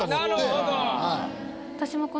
なるほど。